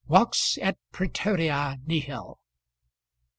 "Vox et præterea nihil."